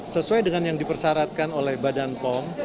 sesuai dengan yang dipersyaratkan oleh badan pom